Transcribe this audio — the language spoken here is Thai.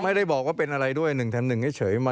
ไม่ได้บอกว่าเป็นอะไรด้วย๑เฉย